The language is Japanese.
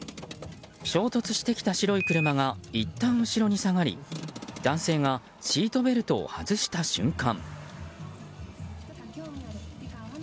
衝突してきた白い車がいったん後ろに下がり男性がシートベルトを外した瞬間。